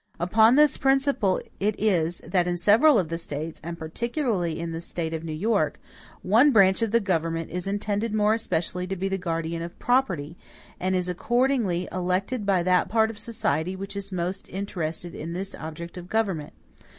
Upon this principle it is, that in several of the States, and particularly in the State of New York, one branch of the government is intended more especially to be the guardian of property, and is accordingly elected by that part of the society which is most interested in this object of government.